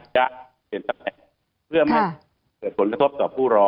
จะเปลี่ยนสมัยเพื่อไม่เกิดผลกระทบต่อผู้รอ